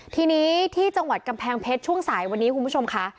ทีนี้ที่จังหวัดกำแพงเพชรช่วงสายวันนี้คุณผู้ชมค่ะ